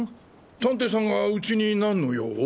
探偵さんがうちに何の用？